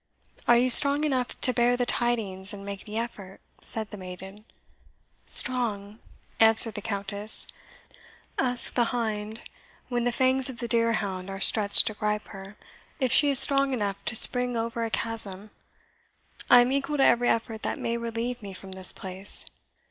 "Are you strong enough to bear the tidings, and make the effort?" said the maiden. "Strong!" answered the Countess. "Ask the hind, when the fangs of the deerhound are stretched to gripe her, if she is strong enough to spring over a chasm. I am equal to every effort that may relieve me from this place."